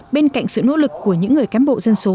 bên cạnh sự nỗ lực của những người cán bộ dân số